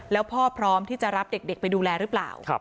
แล้วพ่อพร้อมที่จะรับเด็กไปดูแลหรือเปล่า